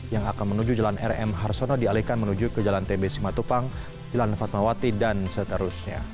yang akan menuju jalan rm harsono dialihkan menuju ke jalan tb simatupang jalan fatmawati dan seterusnya